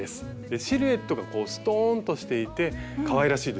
シルエットがこうストーンとしていてかわいらしいですよね。